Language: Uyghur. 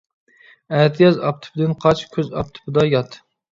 ئەتىياز ئاپتىپىدىن قاچ، كۈز ئاپتىپىدا يات.